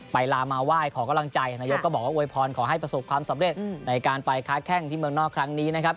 ลามาไหว้ขอกำลังใจนายกก็บอกว่าอวยพรขอให้ประสบความสำเร็จในการไปค้าแข้งที่เมืองนอกครั้งนี้นะครับ